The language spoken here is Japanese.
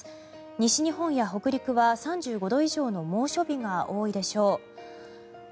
西日本や北陸は３５度以上の猛暑日が多いでしょう。